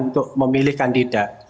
untuk memilih kandidat